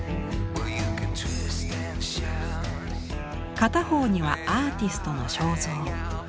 片方にはアーティストの肖像。